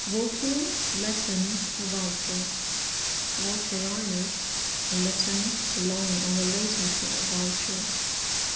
VuLTUR. — Latin. A Vulture. VuLTDRiNUs.— Latin. Belonging or relating to a Vulture.